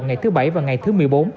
ngày thứ bảy và ngày thứ một mươi bốn